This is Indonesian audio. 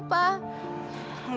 ibu gak akan kemana mana